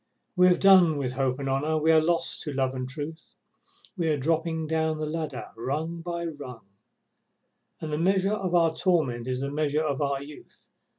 We have done with Hope and Honour, we are lost to Love and Truth, We are dropping down the ladder rung by rung, And the measure of our torment is the measure of our youth.